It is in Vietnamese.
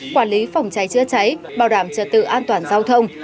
quản lý phòng cháy chữa cháy bảo đảm trật tự an toàn giao thông